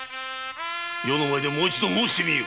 余の前でもう一度申してみよ！